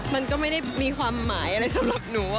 มันก็ไม่ได้มีความหมายอะไรสำหรับหนู